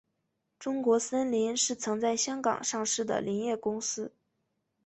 中国森林是曾在香港上市的林业公司。